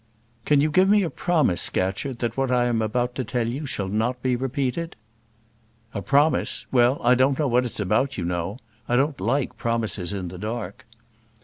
"Can you give me a promise, Scatcherd, that what I am about to tell you shall not be repeated?" "A promise! Well, I don't know what it's about, you know. I don't like promises in the dark."